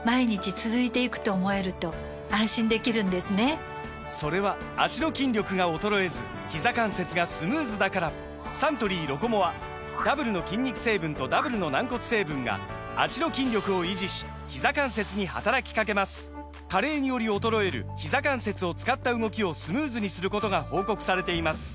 サントリー「ロコモア」・それは脚の筋力が衰えずひざ関節がスムーズだからサントリー「ロコモア」ダブルの筋肉成分とダブルの軟骨成分が脚の筋力を維持しひざ関節に働きかけます加齢により衰えるひざ関節を使った動きをスムーズにすることが報告されています